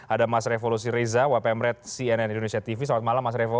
ada mas revo lusireza wp mret cnn indonesia tv selamat malam mas revo